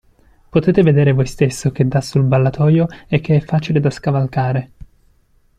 Potete vedere voi stesso che dà sul ballatoio e che è facile da scavalcare.